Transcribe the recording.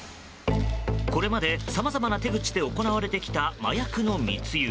これまでさまざまな手口で行われてきた麻薬の密輸。